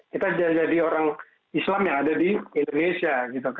kita jadi orang islam yang ada di indonesia